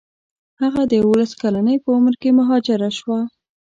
هغه د یوولس کلنۍ په عمر کې مهاجره شوه.